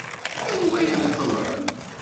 Anwa i ibeṭṭlen?